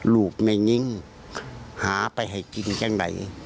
ลูกแมงงิ้งหาไปไห้กินกันไหน